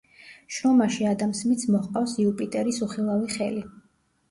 შრომაში ადამ სმითს მოჰყავს „იუპიტერის უხილავი ხელი“.